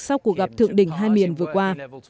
sau cuộc gặp thượng đỉnh hai miền vừa qua